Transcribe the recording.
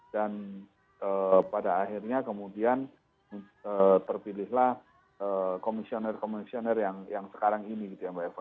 dan pada akhirnya kemudian terpilihlah komisioner komisioner yang sekarang ini gitu mbak evo ya